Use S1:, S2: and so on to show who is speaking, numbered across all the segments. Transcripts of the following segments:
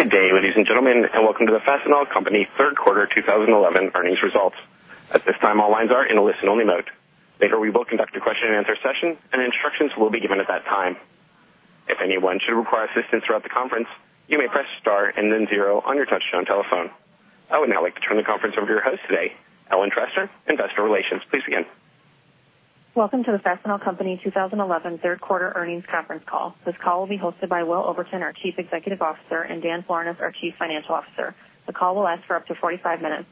S1: Good day, ladies and gentlemen, and welcome to the Fastenal Company third quarter 2011 earnings results. At this time, all lines are in a listen-only mode. Later, we will conduct a question and answer session, and instructions will be given at that time. If anyone should require assistance throughout the conference, you may press star and then zero on your touch-tone telephone. I would now like to turn the conference over to our host today, Ellen Stolts, Investor Relations. Please begin.
S2: Welcome to the Fastenal Company 2011 third quarter earnings conference call. This call will be hosted by Will Oberton, our Chief Executive Officer, and Dan Florness, our Chief Financial Officer. The call will last for up to 45 minutes.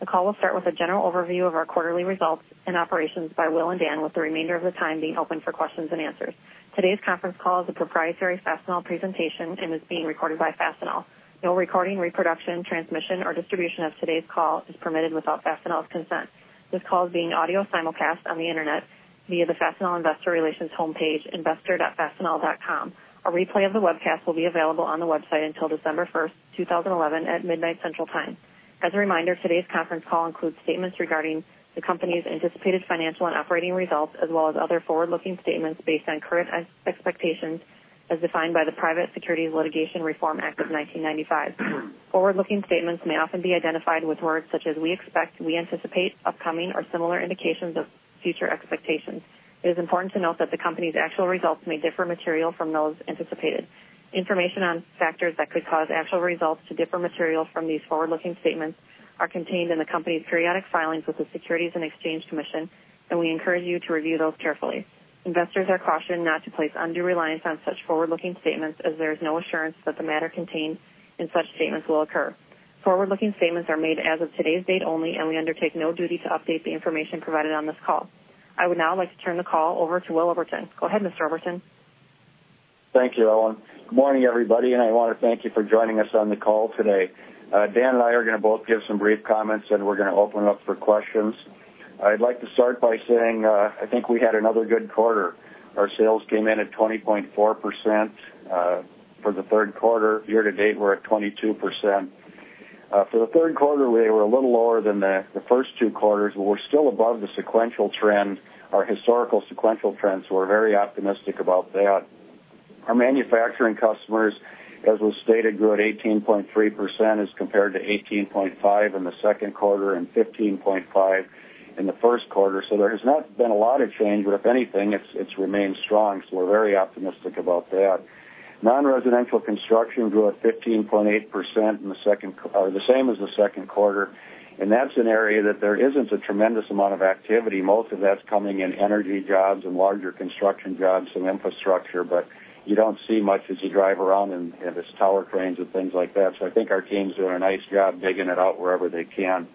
S2: The call will start with a general overview of our quarterly results and operations by Will and Dan, with the remainder of the time being open for questions and answers. Today's conference call is a proprietary Fastenal presentation and is being recorded by Fastenal. No recording, reproduction, transmission, or distribution of today's call is permitted without Fastenal's consent. This call is being audio simulcast on the internet via the Fastenal Investor Relations homepage, investor.fastenal.com. A replay of the webcast will be available on the website until December 1st, 2011, at midnight Central Time. As a reminder, today's conference call includes statements regarding the company's anticipated financial and operating results, as well as other forward-looking statements based on current expectations as defined by the Private Securities Litigation Reform Act of 1995. Forward-looking statements may often be identified with words such as "we expect," "we anticipate," "upcoming," or similar indications of future expectations. It is important to note that the company's actual results may differ materially from those anticipated. Information on factors that could cause actual results to differ materially from these forward-looking statements are contained in the company's periodic filings with the Securities and Exchange Commission, and we encourage you to review those carefully. Investors are cautioned not to place undue reliance on such forward-looking statements as there is no assurance that the matters contained in such statements will occur. Forward-looking statements are made as of today's date only, and we undertake no duty to update the information provided on this call. I would now like to turn the call over to Will Oberton. Go ahead, Mr. Oberton.
S3: Thank you, Ellen. Good morning, everybody, and I want to thank you for joining us on the call today. Dan and I are going to both give some brief comments, and we're going to open it up for questions. I'd like to start by saying I think we had another good quarter. Our sales came in at 20.4% for the third quarter. Year-to-date, we're at 22%. For the third quarter, we were a little lower than the first two quarters, but we're still above the sequential trend, our historical sequential trend, so we're very optimistic about that. Our manufacturing customers, as was stated, grew at 18.3% as compared to 18.5% in the second quarter and 15.5% in the first quarter, so there has not been a lot of change, but if anything, it's remained strong, so we're very optimistic about that. Non-residential construction grew at 15.8% in the second, the same as the second quarter, and that's an area that there isn't a tremendous amount of activity. Most of that's coming in energy jobs and larger construction jobs and infrastructure, but you don't see much as you drive around in this tower cranes and things like that, so I think our team's doing a nice job digging it out wherever they can.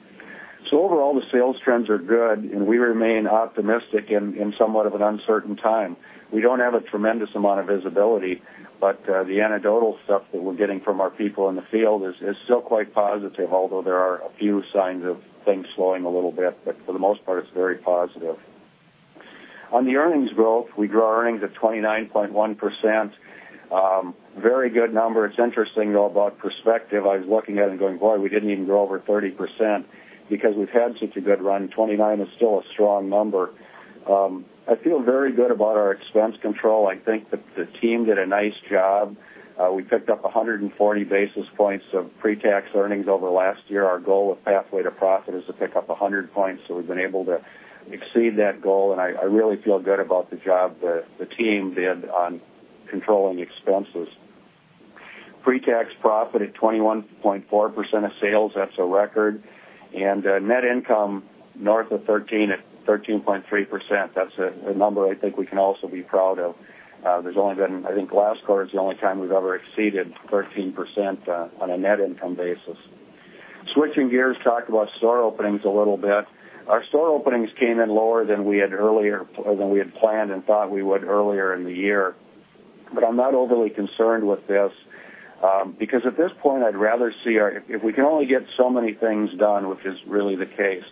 S3: Overall, the sales trends are good, and we remain optimistic in somewhat of an uncertain time. We don't have a tremendous amount of visibility, but the anecdotal stuff that we're getting from our people in the field is still quite positive, although there are a few signs of things slowing a little bit, but for the most part, it's very positive. On the earnings growth, we grew our earnings at 29.1%. Very good number. It's interesting, though, about perspective. I was looking at it and going, "Boy, we didn't even grow over 30%." Because we've had such a good run, 29 is still a strong number. I feel very good about our expense control. I think that the team did a nice job. We picked up 140 basis points of pre-tax earnings over the last year. Our goal of Pathway to Profit is to pick up 100 points, so we've been able to exceed that goal, and I really feel good about the job the team did on controlling expenses. Pre-tax profit at 21.4% of sales, that's a record, and net income north of 13% at 13.3%. That's a number I think we can also be proud of. There's only been, I think, the last quarter's the only time we've ever exceeded 13% on a net income basis. Switching gears, talk about store openings a little bit. Our store openings came in lower than we had planned and thought we would earlier in the year, but I'm not overly concerned with this, because at this point, I'd rather see our, if we can only get so many things done, which is really the case,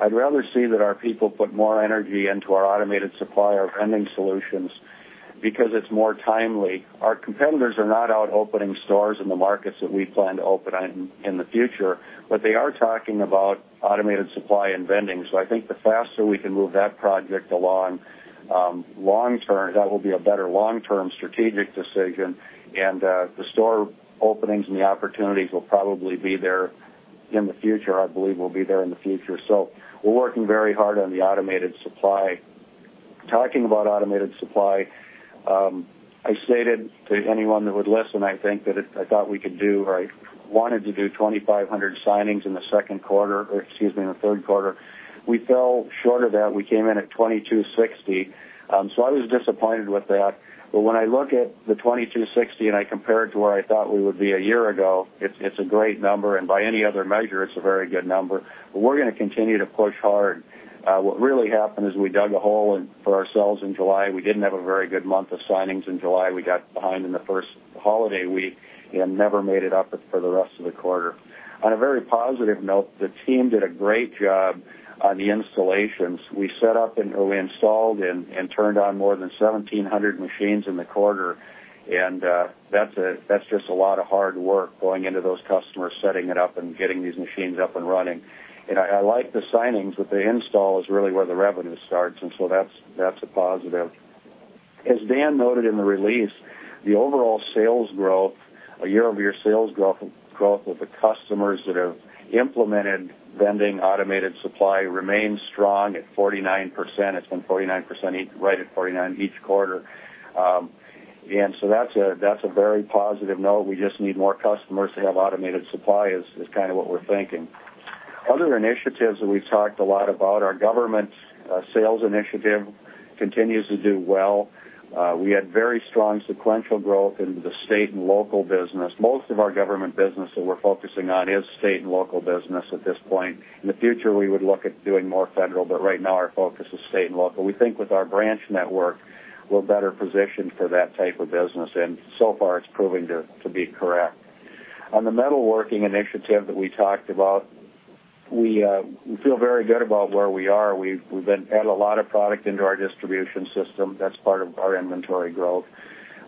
S3: I'd rather see that our people put more energy into our automated supplier of vending solutions because it's more timely. Our competitors are not out opening stores in the markets that we plan to open in the future, but they are talking about automated supply and vending, so I think the faster we can move that project along, long term, that will be a better long-term strategic decision, and the store openings and the opportunities will probably be there in the future, I believe will be there in the future. We're working very hard on the automated supply. Talking about automated supply, I stated to anyone that would listen, I think that I thought we could do, or I wanted to do 2,500 signings in the second quarter, or excuse me, in the third quarter. We fell short of that. We came in at 2,260, so I was disappointed with that. When I look at the 2,260 and I compare it to where I thought we would be a year ago, it's a great number, and by any other measure, it's a very good number. We're going to continue to push hard. What really happened is we dug a hole for ourselves in July. We didn't have a very good month of signings in July. We got behind in the first holiday week and never made it up for the rest of the quarter. On a very positive note, the team did a great job on the installations. We set up and we installed and turned on more than 1,700 machines in the quarter, and that's just a lot of hard work going into those customers, setting it up and getting these machines up and running. I like the signings, but the install is really where the revenue starts, and that's a positive. As Dan noted in the release, the overall sales growth, a year-over-year sales growth of the customers that have implemented vending automated supply remains strong at 49%. It's been 49% right at 49 each quarter. That's a very positive note. We just need more customers to have automated supply is kind of what we're thinking. Other initiatives that we've talked a lot about, our government sales initiative continues to do well. We had very strong sequential growth in the state and local business. Most of our government business that we're focusing on is state and local business at this point. In the future, we would look at doing more federal, but right now, our focus is state and local. We think with our branch network, we're better positioned for that type of business, and so far, it's proving to be correct. On the metalworking initiative that we talked about, we feel very good about where we are. We've added a lot of product into our distribution system. That's part of our inventory growth.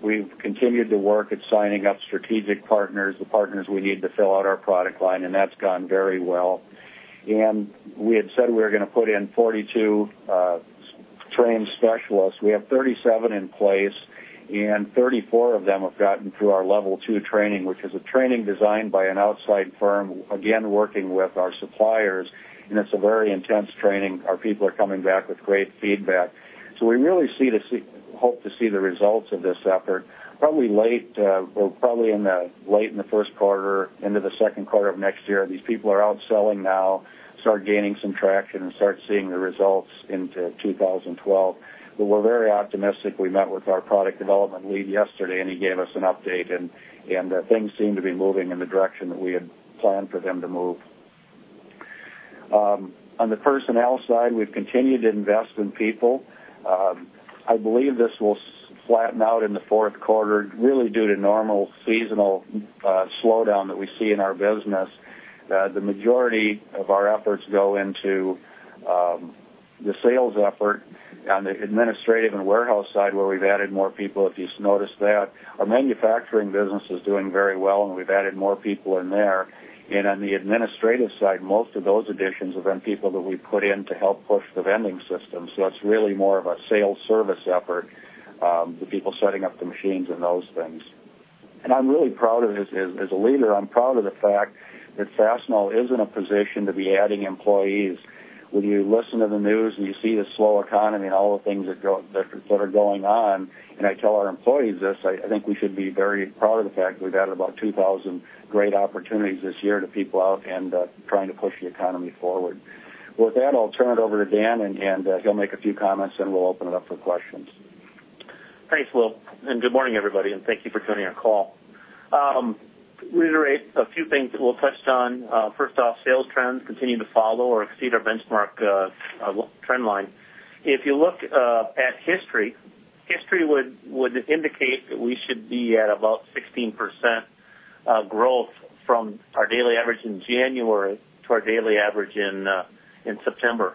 S3: We've continued to work at signing up strategic partners, the partners we need to fill out our product line, and that's gone very well. We had said we were going to put in 42 trained specialists. We have 37 in place, and 34 of them have gotten through our level two training, which is a training designed by an outside firm, again, working with our suppliers, and it's a very intense training. Our people are coming back with great feedback. We really hope to see the results of this effort, probably late, probably in the late in the first quarter, end of the second quarter of next year. These people are out selling now, start gaining some traction, and start seeing the results into 2012. We're very optimistic. We met with our product development lead yesterday, and he gave us an update, and things seem to be moving in the direction that we had planned for them to move. On the personnel side, we've continued to invest in people. I believe this will flatten out in the fourth quarter, really due to normal seasonal slowdown that we see in our business. The majority of our efforts go into the sales effort. On the administrative and warehouse side, where we've added more people, if you notice that, our manufacturing business is doing very well, and we've added more people in there. On the administrative side, most of those additions have been people that we've put in to help push the vending system, so it's really more of a sales service effort, the people setting up the machines and those things. I'm really proud of this. As a leader, I'm proud of the fact that Fastenal is in a position to be adding employees. When you listen to the news and you see the slow economy and all the things that are going on, and I tell our employees this, I think we should be very proud of the fact that we've added about 2,000 great opportunities this year to people out and trying to push the economy forward. With that, I'll turn it over to Dan, and he'll make a few comments, and we'll open it up for questions.
S4: Thanks, Will, and good morning, everybody, and thank you for joining our call. Reiterate a few things that Will touched on. First off, sales trends continue to follow or exceed our benchmark, our trend line. If you look at history, history would indicate that we should be at about 16% growth from our daily average in January to our daily average in September.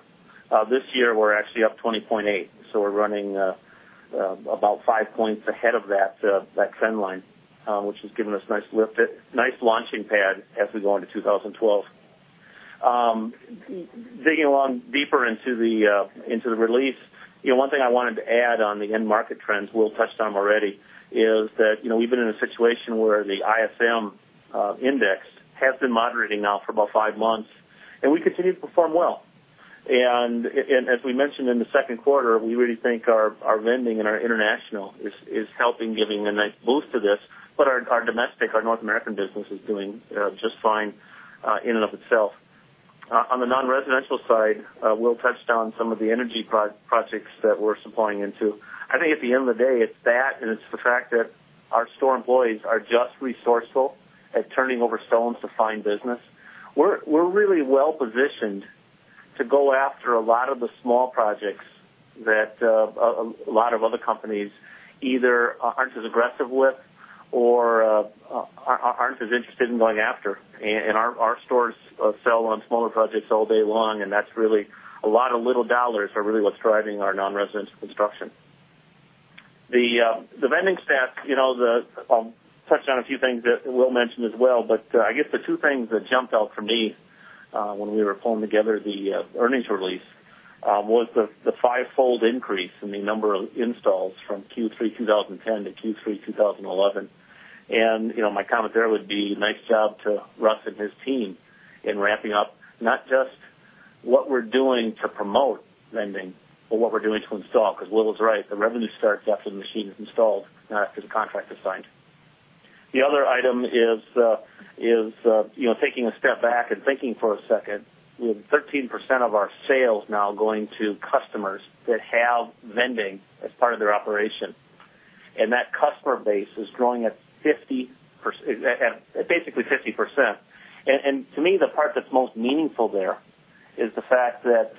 S4: This year, we're actually up 20.8%, so we're running about five points ahead of that trend line, which has given us a nice launching pad as we go into 2012. Digging along deeper into the release, one thing I wanted to add on the end market trends Will touched on already is that we've been in a situation where the ISM index has been moderating now for about five months, and we continue to perform well. As we mentioned in the second quarter, we really think our vending and our international is helping, giving a nice boost to this, but our domestic, our North American business is doing just fine in and of itself. On the non-residential side, Will touched on some of the energy projects that we're supplying into. I think at the end of the day, it's that, and it's the fact that our store employees are just resourceful at turning over stones to find business. We're really well positioned to go after a lot of the small projects that a lot of other companies either aren't as aggressive with or aren't as interested in going after. Our stores sell on smaller projects all day long, and that's really a lot of little dollars are really what's driving our non-residential construction. The vending stack, I'll touch on a few things that Will mentioned as well. I guess the two things that jumped out for me when we were pulling together the earnings release was the fivefold increase in the number of installs from Q3 2010-Q3 2011. My comment there would be a nice job to Russ and his team in wrapping up not just what we're doing to promote vending, but what we're doing to install, because Will is right. The revenue starts after the machine's installed and after the contract is signed. The other item is, taking a step back and thinking for a second, we have 13% of our sales now going to customers that have vending as part of their operation, and that customer base is growing at 50%, at basically 50%. To me, the part that's most meaningful there is the fact that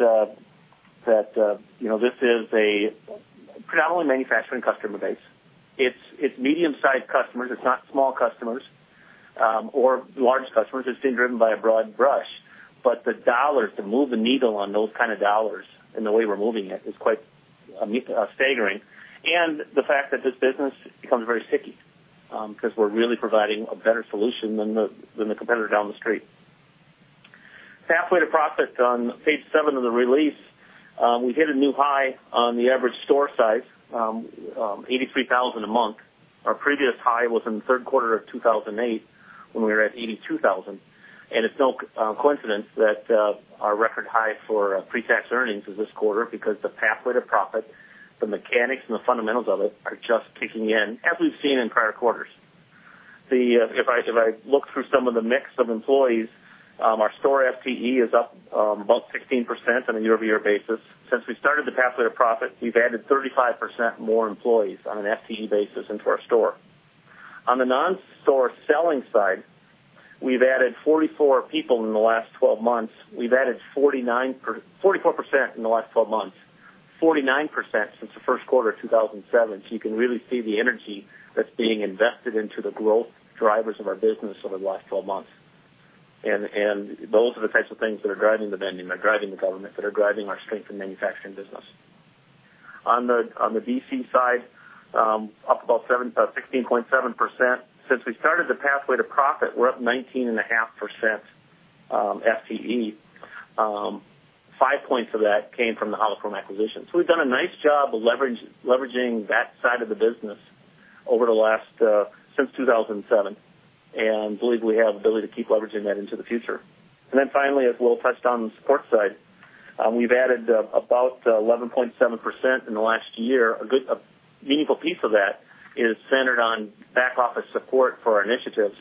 S4: this is a predominantly manufacturing customer base. It's medium-sized customers. It's not small customers or large customers. It's been driven by a broad brush, but the dollars to move the needle on those kind of dollars and the way we're moving it is quite staggering. The fact that this business becomes very sticky because we're really providing a better solution than the competitor down the street. Pathway to Profit on page seven of the release, we hit a new high on the average store size, $83,000 a month. Our previous high was in the third quarter of 2008 when we were at $82,000, and it's no coincidence that our record high for pre-tax earnings is this quarter because the Pathway to Profit, the mechanics and the fundamentals of it are just kicking in, as we've seen in prior quarters. If I look through some of the mix of employees, our store FTE is up about 16% on a year-over-year basis. Since we started the Pathway to Profit, we've added 35% more employees on an FTE basis into our store. On the non-store selling side, we've added 44 people in the last 12 months. We've added 44% in the last 12 months, 49% since the first quarter of 2007. You can really see the energy that's being invested into the growth drivers of our business over the last 12 months. Those are the types of things that are driving the vending, that are driving the government, that are driving our strength in manufacturing business. On the DC side, up about 16.7%. Since we started the Pathway to Profit, we're up 19.5% FTE. Five points of that came from the Hollisborne acquisition. We've done a nice job leveraging that side of the business over the last since 2007, and believe we have the ability to keep leveraging that into the future. Finally, as Will touched on the support side, we've added about 11.7% in the last year. A good, meaningful piece of that is centered on back-office support for our initiatives.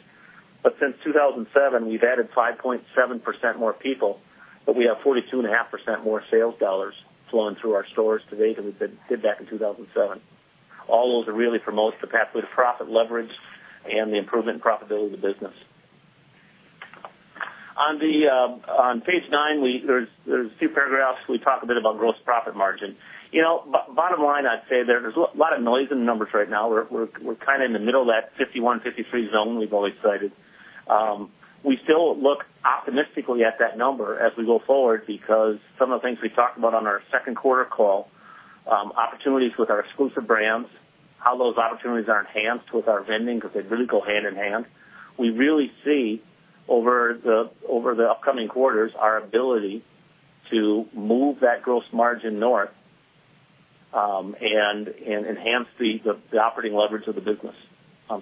S4: Since 2007, we've added 5.7% more people, but we have 42.5% more sales dollars flowing through our stores today than we did back in 2007. All those are really for most of the Pathway to Profit leverage and the improvement in profitability of the business. On page nine, there's a few paragraphs. We talk a bit about gross profit margin. Bottom line, I'd say there's a lot of noise in the numbers right now. We're kind of in the middle of that 51%, 53% zone we've always cited. We still look optimistically at that number as we go forward because some of the things we talked about on our second quarter call, opportunities with our Fastenal exclusive brands, how those opportunities are enhanced with our vending machine solutions because they really go hand in hand. We really see over the upcoming quarters our ability to move that gross margin north and enhance the operating leverage of the business.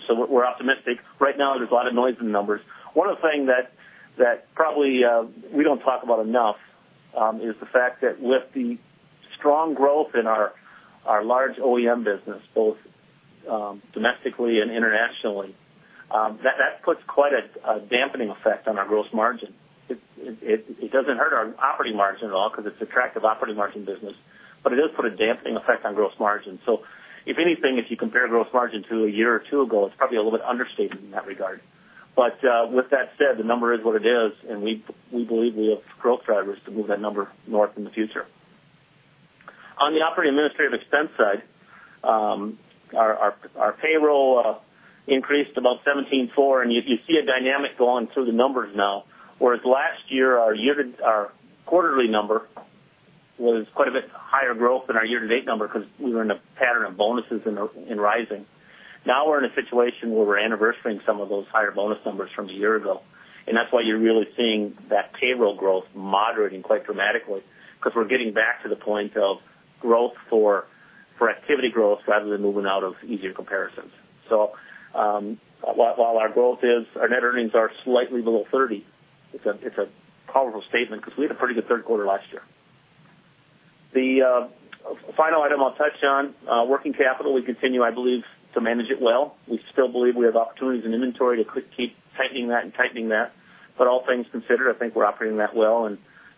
S4: We're optimistic. Right now, there's a lot of noise in the numbers. One of the things that probably we don't talk about enough is the fact that with the strong growth in our large OEM business, both domestically and internationally, that puts quite a dampening effect on our gross margin. It doesn't hurt our operating margin at all because it's an attractive operating margin business, but it does put a dampening effect on gross margins. If anything, if you compare gross margin to a year or two ago, it's probably a little bit understated in that regard. With that said, the number is what it is, and we believe we have growth drivers to move that number north in the future. On the operating administrative expense side, our payroll increased about 17.4%, and you see a dynamic going through the numbers now, whereas last year, our quarterly number was quite a bit higher growth than our year-to-date number because we were in a pattern of bonuses and rising. Now we're in a situation where we're anniversarying some of those higher bonus numbers from a year ago, and that's why you're really seeing that payroll growth moderating quite dramatically because we're getting back to the point of growth for activity growth rather than moving out of easier comparisons. While our growth is our net earnings are slightly below 30%, it's a powerful statement because we had a pretty good third quarter last year. The final item I'll touch on, working capital, we continue, I believe, to manage it well. We still believe we have opportunities in inventory to keep tightening that and tightening that. All things considered, I think we're operating that well.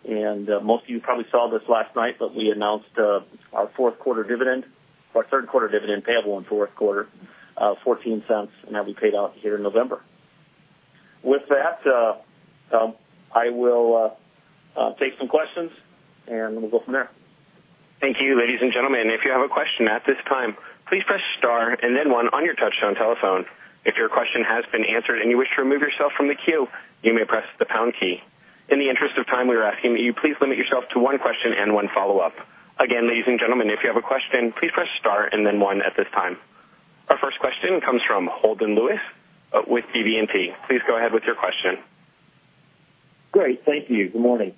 S4: Most of you probably saw this last night, but we announced our fourth quarter dividend, our third quarter dividend payable in fourth quarter, of $0.14, and that'll be paid out here in November. With that, I will take some questions, and we'll go from there.
S1: Thank you, ladies and gentlemen. If you have a question at this time, please press star and then one on your touch-tone telephone. If your question has been answered and you wish to remove yourself from the queue, you may press the pound key. In the interest of time, we are asking that you please limit yourself to one question and one follow-up. Again, ladies and gentlemen, if you have a question, please press star and then one at this time. Our first question comes from Holden Lewis with BB&T. Please go ahead with your question.
S5: Great. Thank you. Good morning.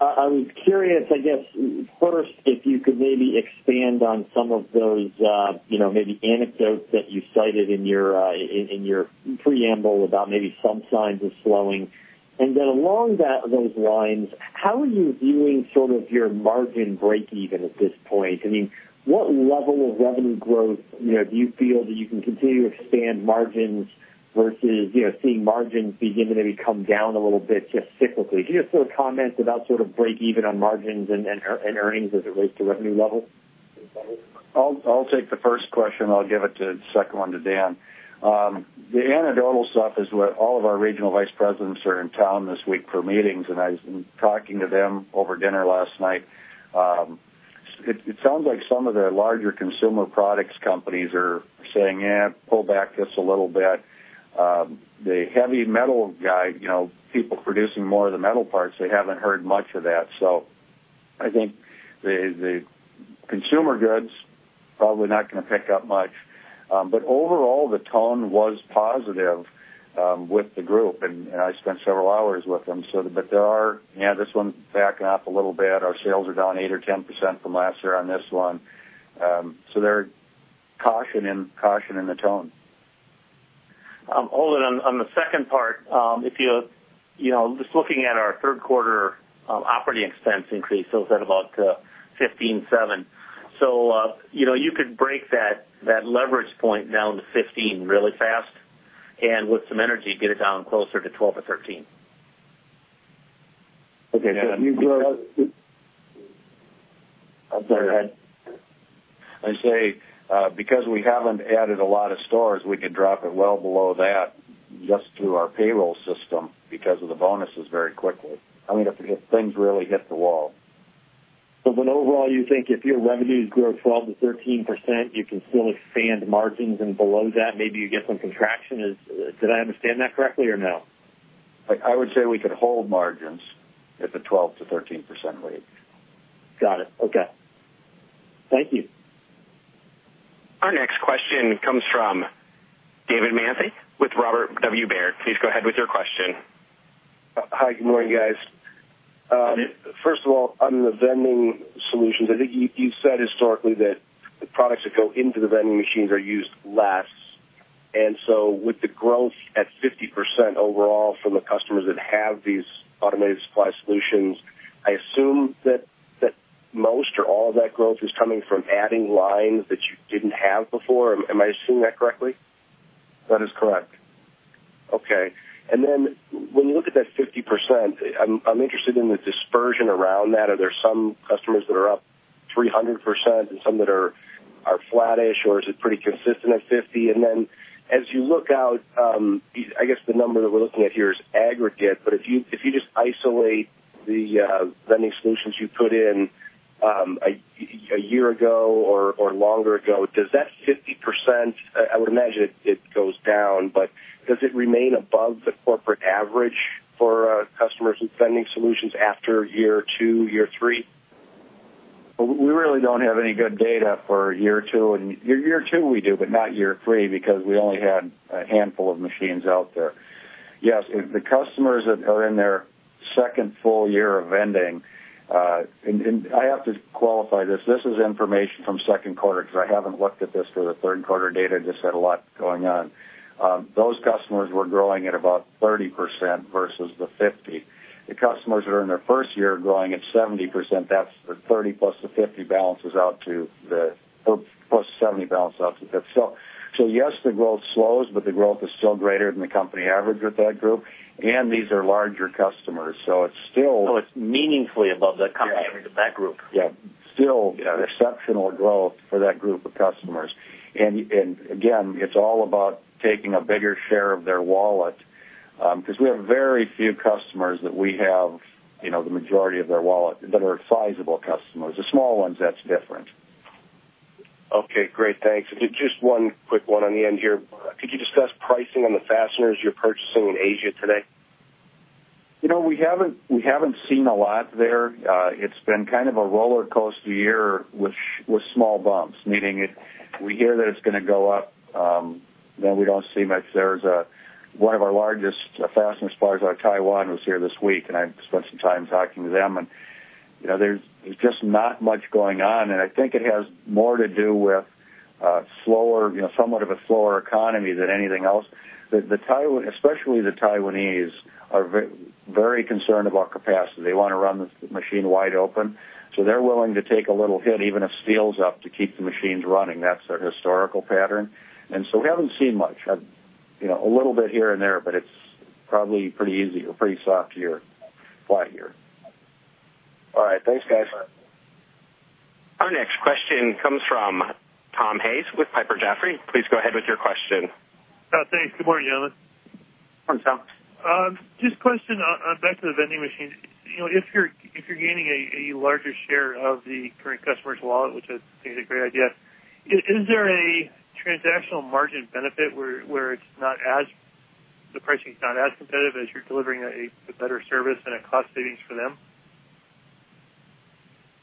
S5: I'm curious, I guess, first, if you could maybe expand on some of those anecdotes that you cited in your preamble about maybe some signs of slowing. Along those lines, how are you viewing sort of your margin break-even at this point? I mean, what level of revenue growth do you feel that you can continue to expand margins versus seeing margins begin to maybe come down a little bit just cyclically? Do you have some comments about sort of break-even on margins and earnings as it relates to revenue level?
S3: I'll take the first question. I'll give the second one to Dan. The anecdotal stuff is what all of our Regional Vice Presidents are in town this week for meetings, and I was talking to them over dinner last night. It sounds like some of the larger consumer products companies are saying, "Yeah, pull back just a little bit." The heavy metal guy, you know, people producing more of the metal parts, they haven't heard much of that. I think the consumer goods probably not going to pick up much. Overall, the tone was positive with the group, and I spent several hours with them. There are, yeah, this one backing up a little bit. Our sales are down 8% or 10% from last year on this one. They're cautioning the tone.
S4: On the second part, if you're just looking at our third quarter operating expense increase, it was at about $15.7 million. You could break that leverage point down to $15 million really fast and with some energy get it down closer to $12 million or $13 million.
S3: Okay, go ahead. I say because we haven't added a lot of stores, we could drop it well below that just through our payroll system because of the bonuses very quickly. I mean, if things really hit the wall.
S5: Overall, you think if your revenues grow 12%-13%, you can still expand margins and below that, maybe you get some contraction. Did I understand that correctly or no?
S3: I would say we could hold margins at the 12%-13% rate.
S5: Got it. Okay, thank you.
S1: Our next question comes from David Manthey with Robert W. Baird. Please go ahead with your question.
S6: Hi. Good morning, guys. First of all, on the vending machine solutions, I think you said historically that the products that go into the vending machines are used less. With the growth at 50% overall from the customers that have these automated supply solutions, I assume that most or all of that growth is coming from adding lines that you didn't have before. Am I assuming that correctly?
S3: That is correct.
S6: Okay. When you look at that 50%, I'm interested in the dispersion around that. Are there some customers that are up 300% and some that are flat-ish, or is it pretty consistent at 50%? As you look out, I guess the number that we're looking at here is aggregate. If you just isolate the vending machine solutions you put in a year ago or longer ago, does that 50% I would imagine it goes down, but does it remain above the corporate average for customers with vending machine solutions after year two, year three?
S3: We really don't have any good data for year two. Year two, we do, but not year three because we only had a handful of machines out there. Yes, the customers that are in their second full year of vending, and I have to qualify this. This is information from second quarter because I haven't looked at this for the third quarter data. It just had a lot going on. Those customers were growing at about 30% versus the 50%. The customers that are in their first year are growing at 70%. That's the 30%+ the 50% balances out to the or plus the 70% balance out to the 50%. Yes, the growth slows, but the growth is still greater than the company average with that group. These are larger customers. It's still. It is meaningfully above the company average of that group. Yeah. Still exceptional growth for that group of customers. It's all about taking a bigger share of their wallet because we have very few customers that we have, you know, the majority of their wallet that are sizable customers. The small ones, that's different.
S6: Okay. Great. Thanks. Just one quick one on the end here. Could you discuss pricing on the fasteners you're purchasing in Asia today?
S3: You know, we haven't seen a lot there. It's been kind of a roller coaster year with small bumps, meaning if we hear that it's going to go up, then we don't see much. One of our largest fastener suppliers out of Taiwan was here this week, and I spent some time talking to them. You know, there's just not much going on. I think it has more to do with a slower, you know, somewhat of a slower economy than anything else. Especially the Taiwanese are very concerned about capacity. They want to run the machine wide open, so they're willing to take a little hit, even if steel's up, to keep the machines running. That's a historical pattern. We haven't seen much, a little bit here and there, but it's probably pretty easy or pretty soft to your fly here.
S6: All right. Thanks, guys.
S1: Our next question comes from Tom Hayes with Piper Jefferies. Please go ahead with your question.
S7: Oh, thanks. Good morning, gentlemen.
S4: Morning, Tom.
S7: Just a question on back to the vending machine. If you're gaining a larger share of the current customer's wallet, which I think is a great idea, is there a transactional margin benefit where it's not as the pricing is not as competitive as you're delivering a better service and a cost savings for them?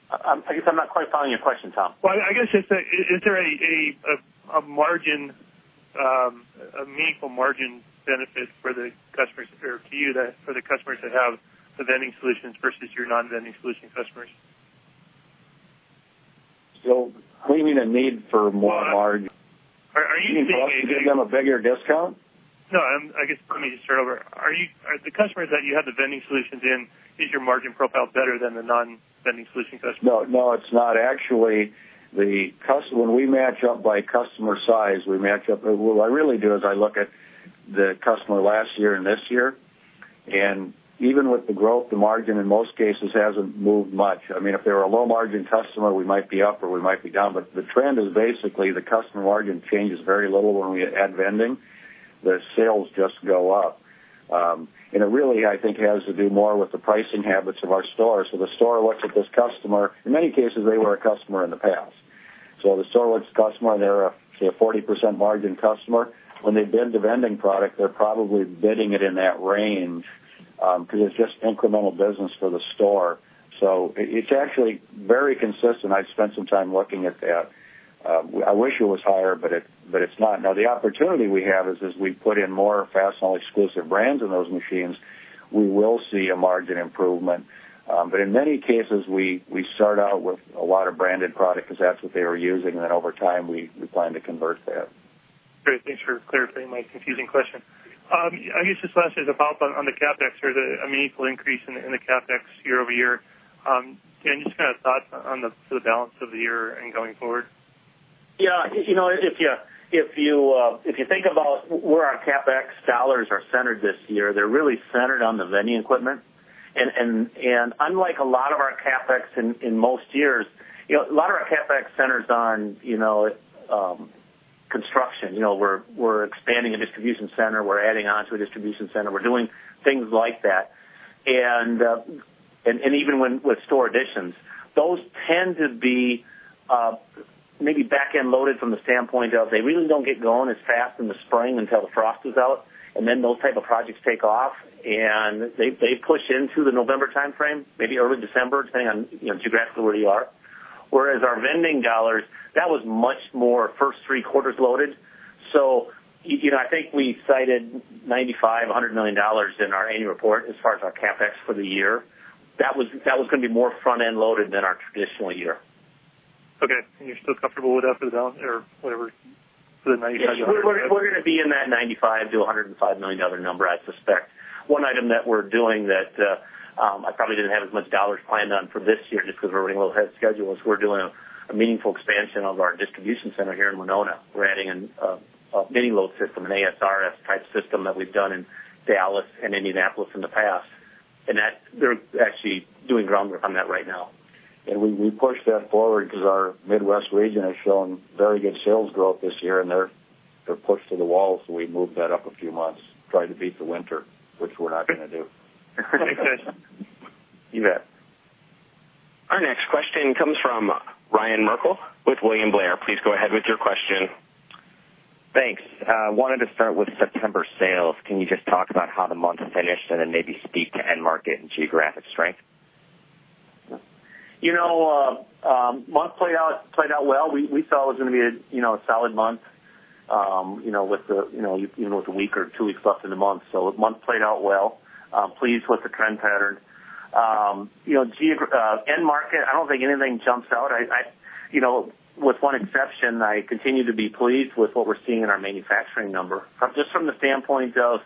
S3: I guess I'm not quite following your question, Tom.
S7: Is there a meaningful margin benefit for the customers or to you for the customers that have the vending machine solutions versus your non-vending solution customers?
S3: What do you mean a need for more margin? Are you thinking of a bigger discount?
S7: Are the customers that you have the vending solutions in, is your margin profile better than the non-vending solution customers?
S3: No, it's not. Actually, when we match up by customer size, we match up. What I really do is I look at the customer last year and this year. Even with the growth, the margin in most cases hasn't moved much. If they were a low-margin customer, we might be up or we might be down. The trend is basically the customer margin changes very little when we add vending. The sales just go up. It really, I think, has to do more with the pricing habits of our store. The store looks at this customer. In many cases, they were a customer in the past. The store looks at the customer and they're a, say, a 40% margin customer. When they bid the vending product, they're probably bidding it in that range because it's just incremental business for the store. It's actually very consistent. I've spent some time looking at that. I wish it was higher, but it's not. The opportunity we have is as we put in more Fastenal exclusive brands in those machines, we will see a margin improvement. In many cases, we start out with a lot of branded product because that's what they were using. Over time, we plan to convert that.
S7: Great. Thanks for clarifying my confusing question. I guess this last is a follow-up on the CapEx or the meaningful increase in the CapEx year-over-year, just kind of a thought on the balance of the year and going forward? Yeah. You know, if you think about where our CapEx dollars are centered this year, they're really centered on the vending equipment. Unlike a lot of our CapEx in most years, a lot of our CapEx centers on construction. You know, we're expanding a distribution center, we're adding onto a distribution center, we're doing things like that. Even with store additions, those tend to be maybe back-end loaded from the standpoint of they really don't get going as fast in the spring until the frost is out, and then those types of projects take off. They push into the November timeframe, maybe early December, depending on geographically where you are. Whereas our vending dollars, that was much more first three quarters loaded. I think we cited $95 million, $100 million in our annual report as far as our CapEx for the year. That was going to be more front-end loaded than our traditional year. Okay, you're still comfortable with that for the dollar or whatever for the $95 million?
S4: We're going to be in that $95 million-$105 million number, I suspect. One item that we're doing that I probably didn't have as much dollars planned on for this year just because we're running a little ahead of schedule is we're doing a meaningful expansion of our distribution center here in Winona. We're adding a mini load system, an ASRS type system that we've done in Dallas and Indianapolis in the past. They're actually doing groundwork on that right now. We pushed that forward because our Midwest region has shown very good sales growth this year, and they're pushed to the wall. We moved that up a few months, trying to beat the winter, which we're not going to do.
S7: That makes sense.
S4: You bet.
S1: Our next question comes from Ryan Merkel with William Blair. Please go ahead with your question.
S8: Thanks. I wanted to start with September sales. Can you just talk about how the month finished, and then maybe speak to end market and geographic strength?
S4: Month played out well. We saw it was going to be a solid month, even with a week or two weeks left in the month. The month played out well. Pleased with the trend pattern. End market, I don't think anything jumps out. With one exception, I continue to be pleased with what we're seeing in our manufacturing number. Just from the standpoint of,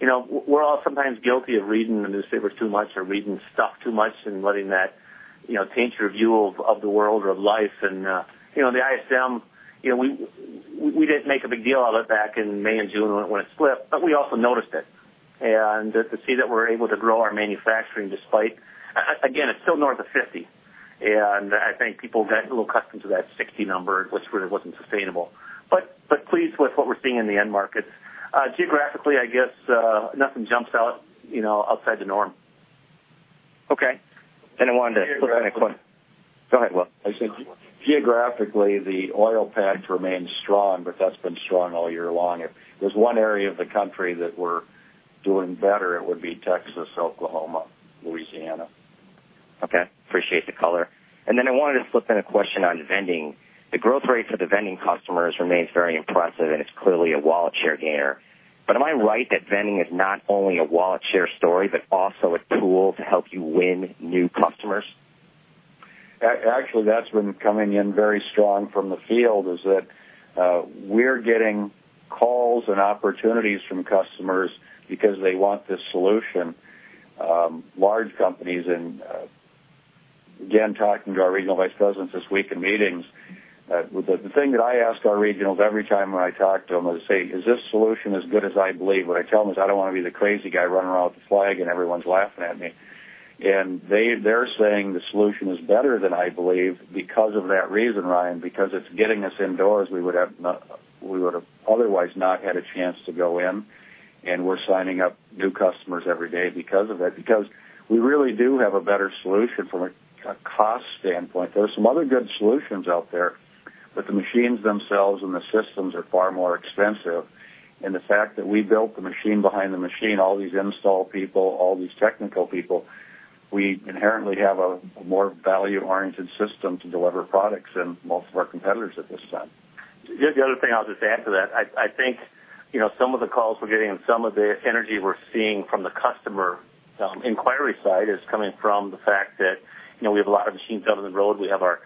S4: we're all sometimes guilty of reading the newspapers too much or reading stuff too much and letting that taint your view of the world or of life. The ISM, we didn't make a big deal of it back in May and June when it split, but we also noticed it. To see that we're able to grow our manufacturing despite, again, it's still north of 50. I think people got a little accustomed to that 60 number, which really wasn't sustainable. Pleased with what we're seeing in the end market. Geographically, I guess nothing jumps out outside the norm. Okay. I wanted to clarify a question. Go ahead, Will.
S3: I said geographically, the oil patch remains strong, but that's been strong all year long. If there's one area of the country that we're doing better, it would be Texas, Oklahoma, Louisiana.
S8: Okay. Appreciate the color. I wanted to flip in a question on vending. The growth rate for the vending customers remains very impressive, and it's clearly a wallet share gain. Am I right that vending is not only a wallet share story, but also a tool to help you win new customers?
S3: Actually, that's been coming in very strong from the field is that we're getting calls and opportunities from customers because they want this solution. Large companies, and again, talking to our Regional Vice Presidents this week in meetings, the thing that I ask our Regionals every time when I talk to them is, "Hey, is this solution as good as I believe?" What I tell them is I don't want to be the crazy guy running around with the flag and everyone's laughing at me. They're saying the solution is better than I believe because of that reason, Ryan, because it's getting us indoors we would have otherwise not had a chance to go in. We're signing up new customers every day because of that, because we really do have a better solution from a cost standpoint. There are some other good solutions out there, but the machines themselves and the systems are far more expensive. The fact that we built the machine behind the machine, all these install people, all these technical people, we inherently have a more value-oriented system to deliver products than most of our competitors at this time.
S4: The other thing I'll just add to that, I think some of the calls we're getting and some of the energy we're seeing from the customer inquiry side is coming from the fact that we have a lot of machines out on the road. We have our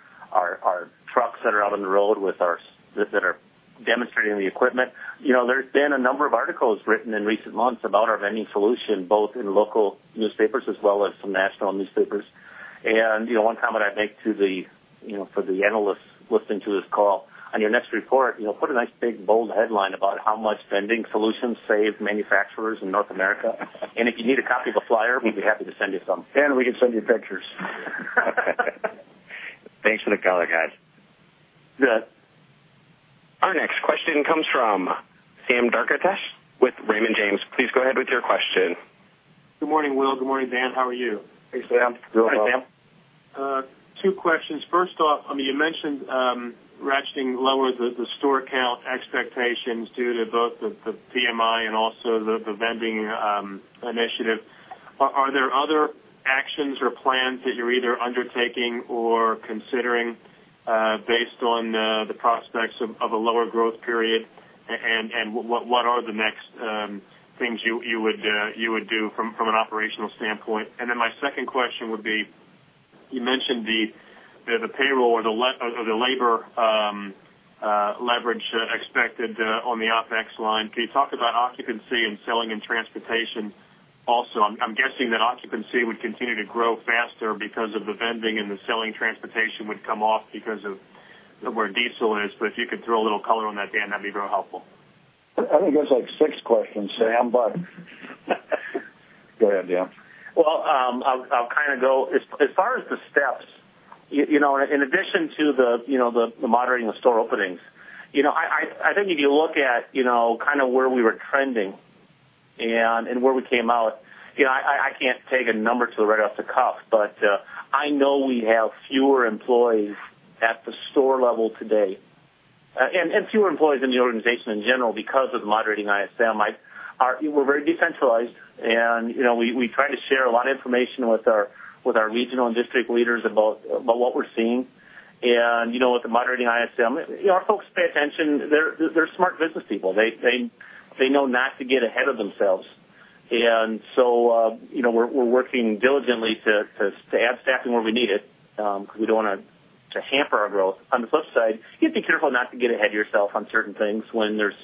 S4: trucks that are out on the road that are demonstrating the equipment. There have been a number of articles written in recent months about our vending machine solutions, both in local newspapers as well as some national newspapers. One comment I'd make to the analysts listening to this call, on your next report, put a nice big bold headline about how much vending machine solutions save manufacturers in North America. If you need a copy of the flyer, we'd be happy to send you some.
S3: We can send you pictures.
S8: Thanks for the color, guys.
S3: You bet.
S1: Our next question comes from Sam Darkatsh with Raymond James. Please go ahead with your question.
S9: Good morning, Will. Good morning, Dan. How are you?
S3: Hey, Sam. Doing well. Hi, Sam.
S9: Two questions. First off, you mentioned ratcheting lower the store count expectations due to both the PMI and also the vending initiative. Are there other actions or plans that you're either undertaking or considering based on the prospects of a lower growth period? What are the next things you would do from an operational standpoint? My second question would be, you mentioned the payroll or the labor leverage expected on the OpEx line. Can you talk about occupancy and selling and transportation also? I'm guessing that occupancy would continue to grow faster because of the vending and the selling transportation would come off because of where diesel is. If you could throw a little color on that, Dan, that'd be very helpful.
S3: I think that's like six questions, Sam. Go ahead, Dan.
S4: I'll kind of go as far as the steps. In addition to the moderating of store openings, I think if you look at kind of where we were trending and where we came out, I can't take a number to the right off the cuff, but I know we have fewer employees at the store level today and fewer employees in the organization in general because of the moderating ISM. We're very decentralized, and we try to share a lot of information with our regional and district leaders about what we're seeing. With the moderating ISM, our folks pay attention. They're smart business people. They know not to get ahead of themselves. We're working diligently to add staffing where we need it because we don't want to hamper our growth. On the flip side, you have to be careful not to get ahead of yourself on certain things when there's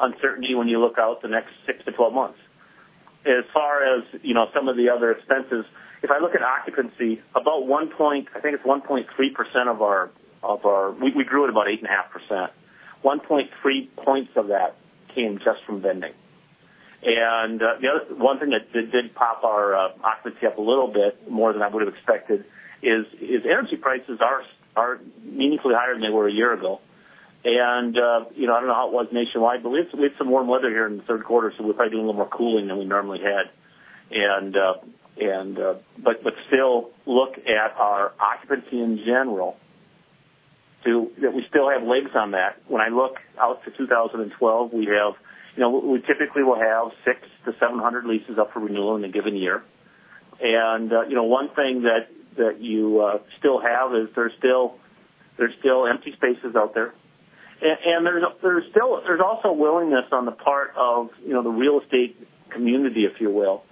S4: uncertainty when you look out the next 6-12 months. As far as some of the other expenses, if I look at occupancy, about one point, I think it's 1.3% of our, of our we grew at about 8.5%. 1.3 points of that came just from vending. The other one thing that did pop our occupancy up a little bit more than I would have expected is energy prices are meaningfully higher than they were a year ago. I don't know how it was nationwide, but we had some warm weather here in the third quarter, so we're probably doing a little more cooling than we normally had. Still, look at our occupancy in general, that we still have legs on that. When I look out to 2012, we have, we typically will have 60-700 leases up for renewal in a given year. One thing that you still have is there's still empty spaces out there. There's also willingness on the part of the real estate community, if you will.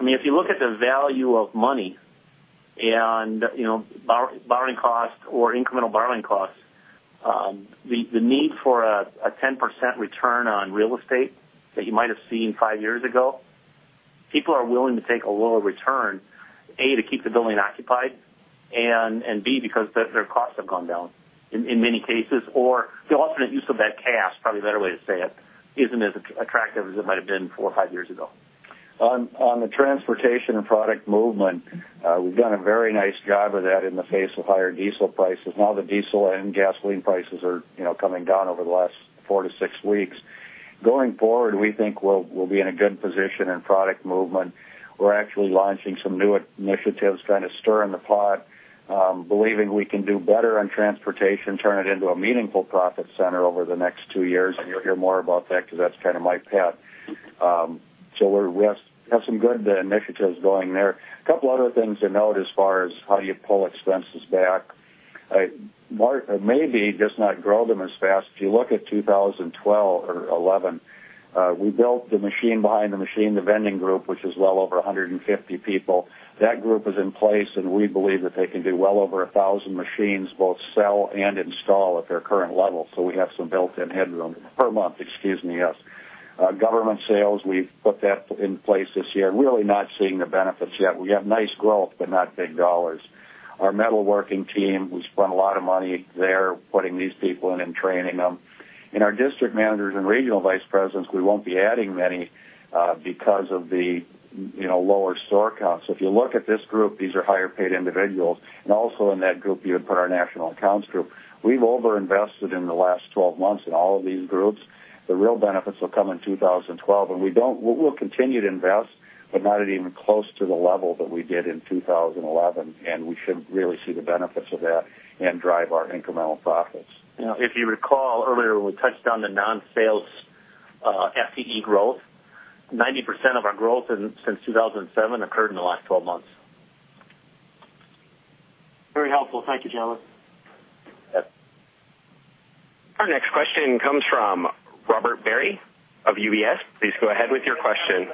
S4: I mean, if you look at the value of money and borrowing costs or incremental borrowing costs, the need for a 10% return on real estate that you might have seen five years ago, people are willing to take a lower return, A, to keep the building occupied, and B, because their costs have gone down in many cases, or the alternate use of that cash, probably a better way to say it, isn't as attractive as it might have been four or five years ago.
S3: On the transportation and product movement, we've done a very nice job of that in the face of higher diesel prices. Now the diesel and gasoline prices are, you know, coming down over the last 4-6 weeks. Going forward, we think we'll be in a good position in product movement. We're actually launching some new initiatives, kind of stirring the pot, believing we can do better on transportation, turn it into a meaningful profit center over the next two years. You'll hear more about that because that's kind of my path. We have some good initiatives going there. A couple of other things to note as far as how do you pull expenses back. Maybe just not grow them as fast. If you look at 2012 or 2011, we built the machine behind the machine, the vending group, which is well over 150 people. That group is in place, and we believe that they can do well over 1,000 machines, both sell and install at their current level. We have some built-in headroom per month, excuse me, yes. Government sales, we've put that in place this year. We're really not seeing the benefits yet. We have nice growth, but not big dollars. Our metalworking team, we spent a lot of money there putting these people in and training them. In our District Managers and Regional Vice Presidents, we won't be adding many because of the, you know, lower store counts. If you look at this group, these are higher-paid individuals. Also in that group, you would put our National Accounts group. We've overinvested in the last 12 months in all of these groups. The real benefits will come in 2012. We'll continue to invest, but not at even close to the level that we did in 2011. We should really see the benefits of that and drive our incremental profits.
S4: Now, if you recall, earlier when we touched on the non-sales FTE growth, 90% of our growth since 2007 occurred in the last 12 months.
S9: Very helpful. Thank you, gentlemen.
S1: Our next question comes from Robert Barry of UBS. Please go ahead with your question.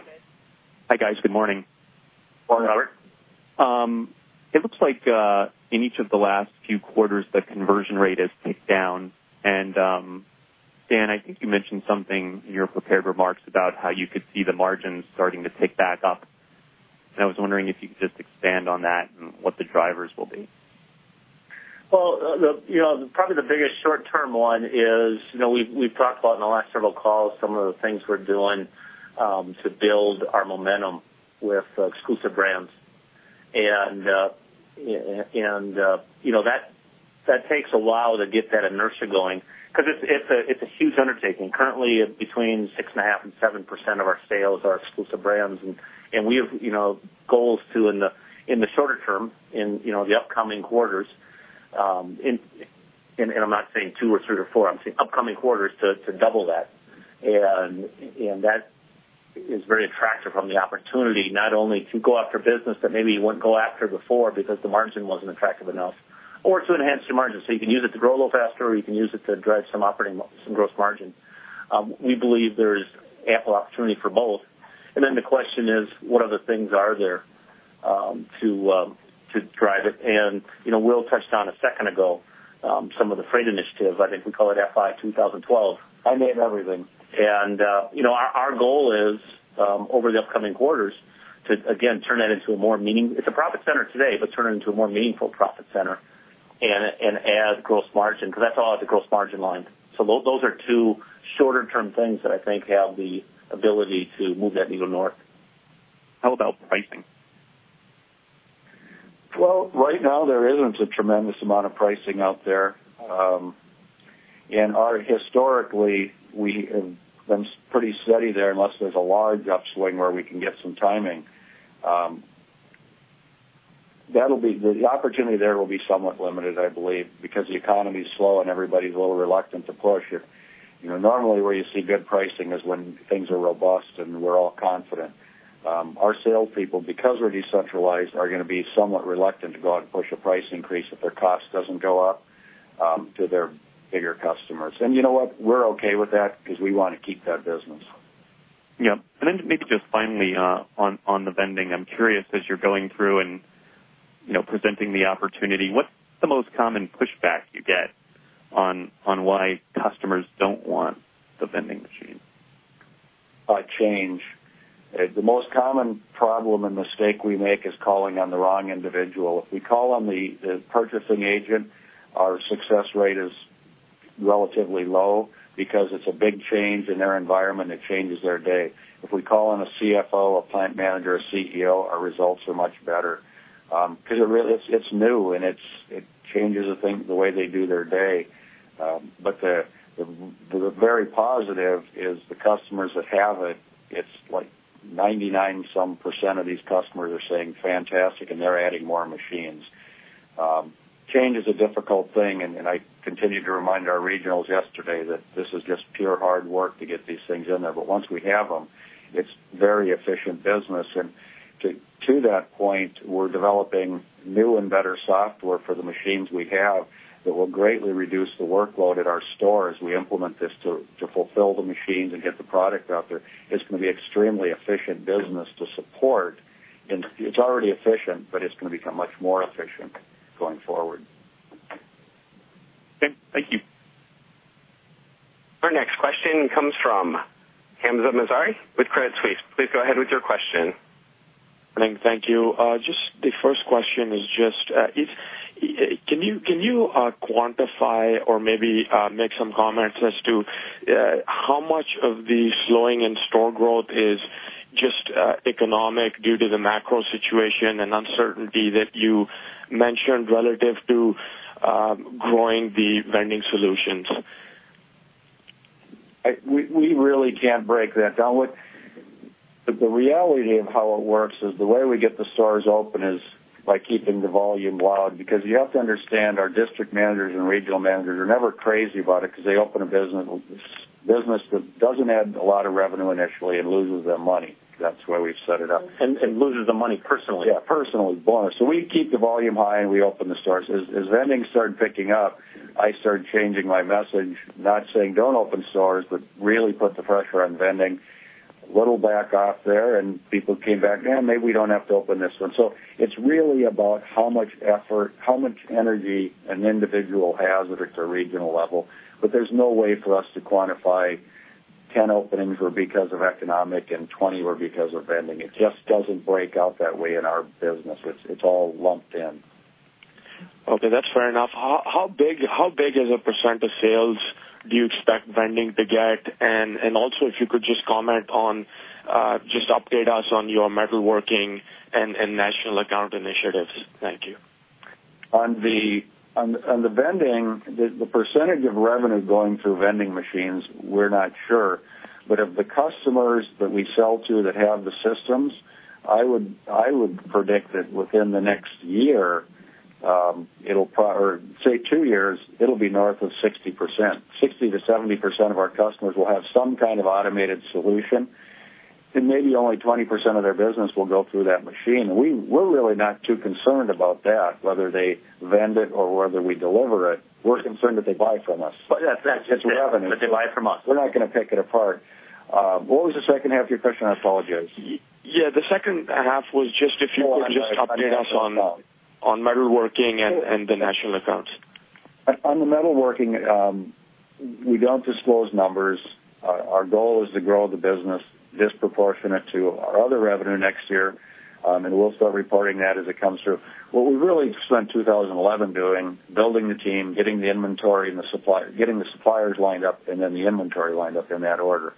S10: Hi, guys. Good morning.
S4: Morning, Robert.
S10: It looks like in each of the last few quarters, the conversion rate has ticked down. Dan, I think you mentioned something in your prepared remarks about how you could see the margins starting to tick back up. I was wondering if you could just expand on that and what the drivers will be.
S4: Probably the biggest short-term one is, we've talked a lot in the last several calls, some of the things we're doing to build our momentum with Fastenal exclusive brands. That takes a while to get that inertia going because it's a huge undertaking. Currently, between 6.5% and 7% of our sales are Fastenal exclusive brands. We have goals to, in the shorter term, in the upcoming quarters, and I'm not saying two or three or four, I'm saying upcoming quarters, to double that. That is very attractive from the opportunity, not only to go after business that maybe you wouldn't go after before because the margin wasn't attractive enough, or to enhance your margin. You can use it to grow a little faster, or you can use it to drive some operating, some gross margin. We believe there's ample opportunity for both. The question is, what other things are there to drive it? Will touched on a second ago some of the freight initiatives. I think we call it FY 2012. I named everything. Our goal is over the upcoming quarters to, again, turn that into a more meaningful, it's a profit center today, but turn it into a more meaningful profit center and add gross margin because that's all at the gross margin line. Those are two shorter-term things that I think have the ability to move that needle north.
S10: How about pricing?
S3: Right now, there isn't a tremendous amount of pricing out there. Historically, we've been pretty steady there unless there's a large upswing where we can get some timing. The opportunity there will be somewhat limited, I believe, because the economy is slow and everybody's a little reluctant to push it. You know, normally where you see good pricing is when things are robust and we're all confident. Our salespeople, because we're decentralized, are going to be somewhat reluctant to go out and push a price increase if their cost doesn't go up to their bigger customers. You know what? We're okay with that because we want to keep that business.
S10: Yeah. Maybe just finally, on the vending, I'm curious, as you're going through and presenting the opportunity, what's the most common pushback you get on why customers don't want the vending machine?
S3: Change. The most common problem and mistake we make is calling on the wrong individual. If we call on the purchasing agent, our success rate is relatively low because it's a big change in their environment. It changes their day. If we call on a CFO, a Plant Manager, a CEO, our results are much better because it really, it's new and it changes the way they do their day. The very positive is the customers that have it, it's like 99% of these customers are saying fantastic and they're adding more machines. Change is a difficult thing. I continued to remind our Regionals yesterday that this is just pure hard work to get these things in there. Once we have them, it's very efficient business. To that point, we're developing new and better software for the machines we have that will greatly reduce the workload at our stores. We implement this to fulfill the machines and get the product out there. It's going to be extremely efficient business to support. It's already efficient, but it's going to become much more efficient going forward.
S10: Thank you.
S2: Our next question comes from Hamza Mizari with Credit Suisse. Please go ahead with your question.
S11: Thank you. The first question is, can you quantify or maybe make some comments as to how much of the slowing in store growth is just economic due to the macro situation and uncertainty that you mentioned relative to growing the vending solutions?
S3: We really can't break that down. The reality of how it works is the way we get the stores open is by keeping the volume loud because you have to understand our District Managers and Regional Managers are never crazy about it because they open a business that doesn't add a lot of revenue initially and loses them money. That's the way we've set it up. Loses the money personally. Yeah, personally, boy. We keep the volume high and we open the stores. As vending started picking up, I started changing my message, not saying don't open stores, but really put the pressure on vending. A little back off there, and people came back, "Man, maybe we don't have to open this one." It's really about how much effort, how much energy an individual has at the regional level. There's no way for us to quantify 10 openings were because of economic and 20 were because of vending. It just doesn't break out that way in our business. It's all lumped in.
S11: Okay. That's fair enough. How big is the percent of sales do you expect vending to get? If you could just comment on, just update us on your metalworking and national account initiatives. Thank you.
S3: On the vending, the percentage of revenue going through vending machines, we're not sure. If the customers that we sell to that have the systems, I would predict that within the next year, it'll probably, or say two years, it'll be north of 60%. 60%-70% of our customers will have some kind of automated solution, and maybe only 20% of their business will go through that machine. We're really not too concerned about that, whether they vend it or whether we deliver it. We're concerned that they buy from us.
S4: That's true. It's revenue. That they buy from us.
S3: We're not going to pick it apart. What was the second half of your question? I apologize.
S11: Yeah, the second half was just if you could just update us on metalworking and the national accounts.
S3: On the metalworking, we don't disclose numbers. Our goal is to grow the business disproportionate to our other revenue next year. We'll start reporting that as it comes through. What we really spent 2011 doing, building the team, getting the inventory and the suppliers, getting the suppliers lined up, and then the inventory lined up in that order.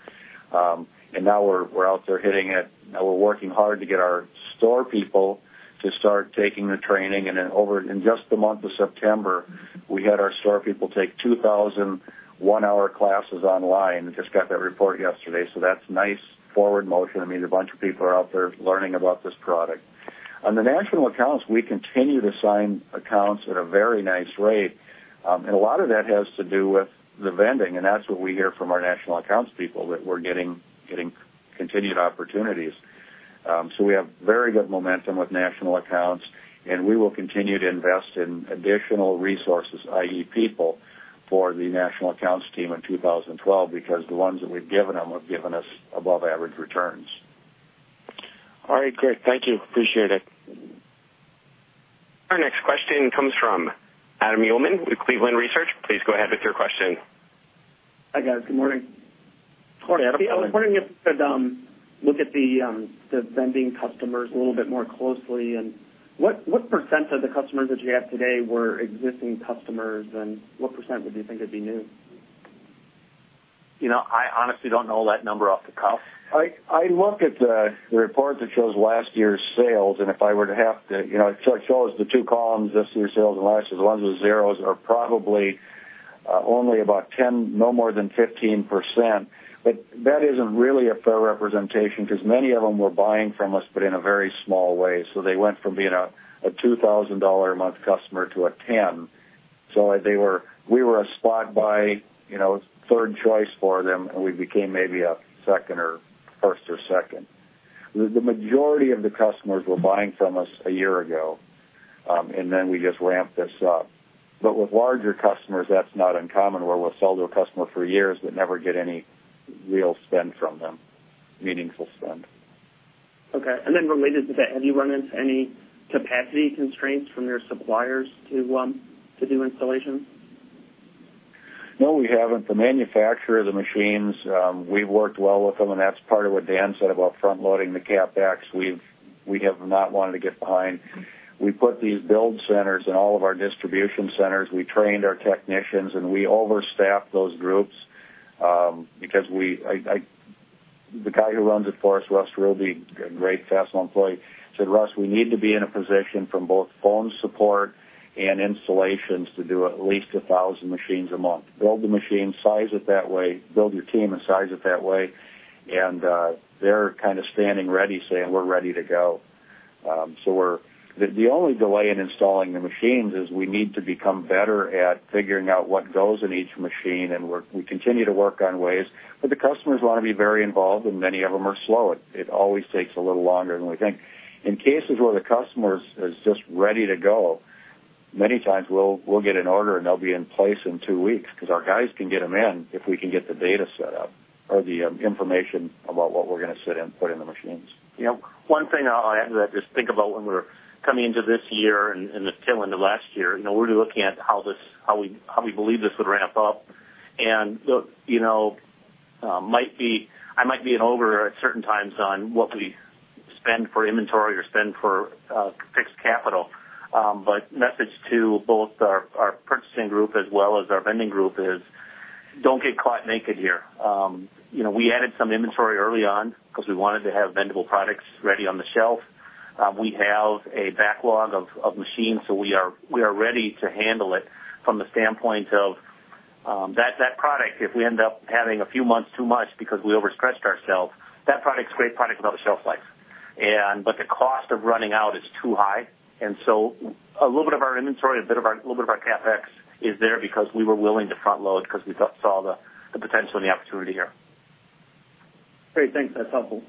S3: Now we're out there hitting it. We're working hard to get our store people to start taking the training. Over in just the month of September, we had our store people take 2,000 one-hour classes online. I just got that report yesterday. That's nice forward motion. A bunch of people are out there learning about this product. On the national accounts, we continue to sign accounts at a very nice rate. A lot of that has to do with the vending. That's what we hear from our national accounts people, that we're getting continued opportunities. We have very good momentum with national accounts. We will continue to invest in additional resources, i.e., people for the national accounts team in 2012 because the ones that we've given them have given us above-average returns.
S11: All right. Great. Thank you. Appreciate it.
S1: Our next question comes from Adam Uhlman with Cleveland Research. Please go ahead with your question.
S12: Hi, guys. Good morning.
S4: Good morning, Adam.
S12: I was wondering if you could look at the vending customers a little bit more closely. What % of the customers that you have today were existing customers, and what % would you think would be new?
S4: I honestly don't know that number off the cuff.
S3: I look at the report that shows last year's sales. If I were to have to, you know, it shows the two columns, this year's sales and last year's, the ones with zeros are probably only about 10%, no more than 15%. That isn't really a fair representation because many of them were buying from us, but in a very small way. They went from being a $2,000 a month customer to a $10,000 a month customer. We were a spot buy, you know, third choice for them, and we became maybe a first or second. The majority of the customers were buying from us a year ago, and we just ramped this up. With larger customers, that's not uncommon, where we'll sell to a customer for years but never get any real spend from them, meaningful spend.
S12: Okay. Related to that, have you run into any capacity constraints from your suppliers to do installation?
S3: No, we haven't. The manufacturer of the machines, we've worked well with them, and that's part of what Dan said about front-loading the CapEx. We have not wanted to get behind. We put these build centers in all of our distribution centers. We trained our technicians, and we overstaffed those groups because the guy who runs it for us, Russ, really a great Fastenal employee, said, "Russ, we need to be in a position from both phone support and installations to do at least 1,000 machines a month. Build the machines, size it that way, build your team and size it that way." They're kind of standing ready, saying, "We're ready to go." The only delay in installing the machines is we need to become better at figuring out what goes in each machine. We continue to work on ways, but the customers want to be very involved, and many of them are slow. It always takes a little longer than we think. In cases where the customer is just ready to go, many times we'll get an order and they'll be in place in two weeks because our guys can get them in if we can get the data set up or the information about what we're going to sit in and put in the machines. You know.
S4: One thing I'll add to that is think about when we're coming into this year and this tail end of last year, you know, we're looking at how we believe this would ramp up. I might be over at certain times on what we spend for inventory or spend for fixed capital. My message to both our purchasing group as well as our vending group is don't get caught naked here. We added some inventory early on because we wanted to have vendable products ready on the shelf. We have a backlog of machines, so we are ready to handle it from the standpoint of that product. If we end up having a few months too much because we overstretched ourselves, that product's a great product with all the shelf life. The cost of running out is too high. A little bit of our inventory, a little bit of our CapEx is there because we were willing to front load because we saw the potential and the opportunity here.
S12: Great. Thanks. That's helpful.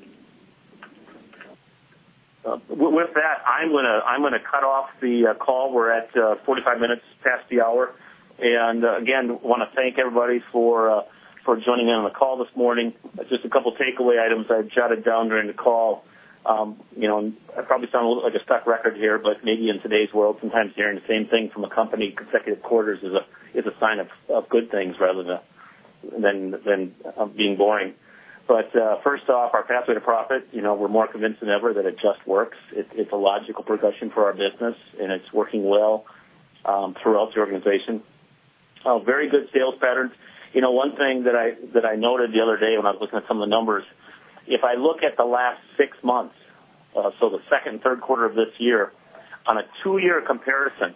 S4: With that, I'm going to cut off the call. We're at 45 minutes past the hour. Again, I want to thank everybody for joining in on the call this morning. Just a couple of takeaway items I've jotted down during the call. I probably sound a little like a stuck record here, but maybe in today's world, sometimes hearing the same thing from a company consecutive quarters is a sign of good things rather than being boring. First off, our Pathway to Profit, we're more convinced than ever that it just works. It's a logical progression for our business, and it's working well throughout the organization. Very good sales patterns. One thing that I noted the other day when I was looking at some of the numbers, if I look at the last six months, so the second and third quarter of this year, on a two-year comparison,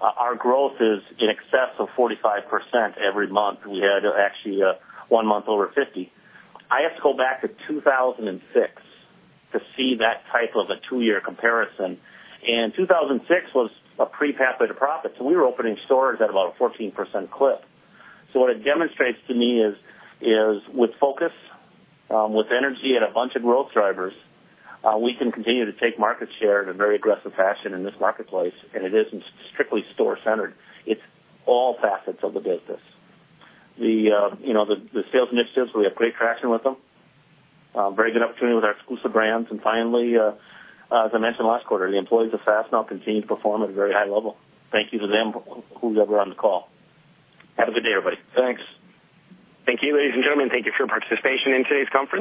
S4: our growth is in excess of 45% every month. We had actually one month over 50%. I have to go back to 2006 to see that type of a two-year comparison. 2006 was a pre-Pathway to Profit. We were opening stores at about a 14% clip. What it demonstrates to me is with focus, with energy, and a bunch of growth drivers, we can continue to take market share in a very aggressive fashion in this marketplace. It isn't strictly store-centered. It's all facets of the business. The sales initiatives, we have great traction with them. Very good opportunity with our Fastenal exclusive brands. Finally, as I mentioned last quarter, the employees of Fastenal continue to perform at a very high level. Thank you to them whoever's on the call. Have a good day, everybody.
S1: Thank you, ladies and gentlemen. Thank you for your participation in today's conference.